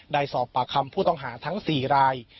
ได้สอบปากคำผู้ต้องหาทั้ง๔ราย